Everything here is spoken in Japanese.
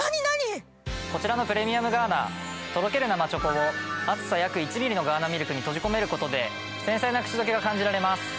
こちらのプレミアムガーナとろける生チョコを厚さ約１ミリのガーナミルクに閉じ込めることで繊細な口どけが感じられます。